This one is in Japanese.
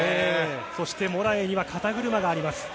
そして、モラエイには肩車があります。